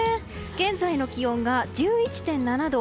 現在の気温が１１．７度。